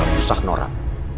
gak usah norak